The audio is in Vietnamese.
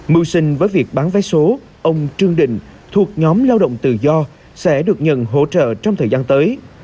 mưu sinh với việc bán vé số ông trương đình thuộc nhóm lao động tự do sẽ được nhận hỗ trợ trong thời gian tới